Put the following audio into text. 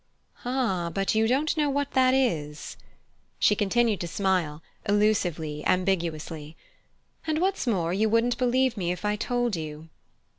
"Ah, but you don't know what that is!" She continued to smile, elusively, ambiguously. "And what's more, you wouldn't believe me if I told you."